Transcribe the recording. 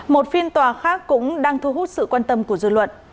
một phiên tòa khác cũng đang thu hút sự quan tâm của dư luận